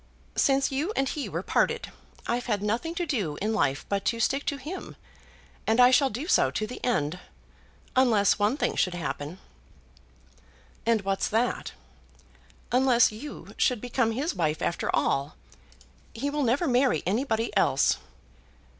"Since you and he were parted, I've had nothing to do in life but to stick to him. And I shall do so to the end, unless one thing should happen." "And what's that?" "Unless you should become his wife after all. He will never marry anybody else."